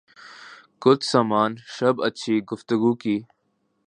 کچھ سامان شب اچھی گفتگو کی